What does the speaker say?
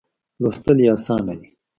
لوستل یې آسانه دي.